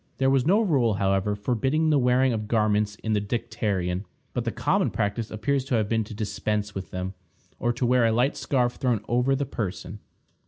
There was no rule, however, forbidding the wearing of garments in the dicterion, but the common practice appears to have been to dispense with them, or to wear a light scarf thrown over the person.